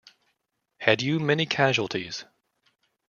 Had you many casualties?